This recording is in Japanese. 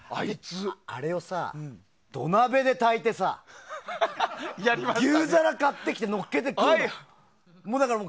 あれをさ、土鍋で炊いてさ牛皿買ってきてのっけて食うの。